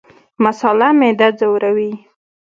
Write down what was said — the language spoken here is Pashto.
مساله معده ځوروي